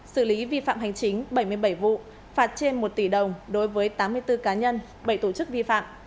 xử lý vi phạm hành chính bảy mươi bảy vụ phạt trên một tỷ đồng đối với tám mươi bốn cá nhân bảy tổ chức vi phạm